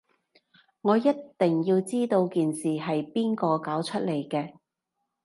我一定要知道件事係邊個搞出嚟嘅